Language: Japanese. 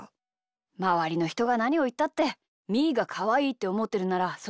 まわりのひとがなにをいったってみーがかわいいっておもってるならそれでいいんだよ。